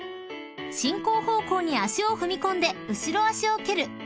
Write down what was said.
［進行方向に脚を踏み込んで後ろ脚を蹴る］